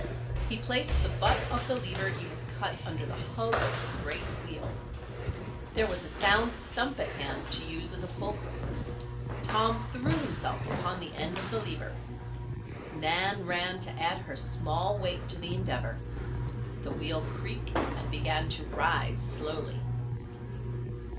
He placed the butt of the lever he had cut under the hub of the great wheel. There was a sound stump at hand to use as a fulcrum. Tom threw himself upon the end of the lever. Nan ran to add her small weight to the endeavor. The wheel creaked and began to rise slowly.